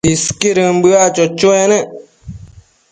Isquidën bëac cho-choec nec